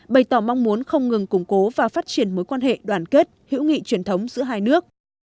bày tỏ mong muốn không ngừng củng cố và phát triển mối quan hệ đoàn kết hữu nghị truyền thống giữa hai nước